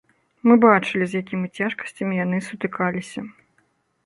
Мы бачылі, з якімі цяжкасцямі яны сутыкаліся.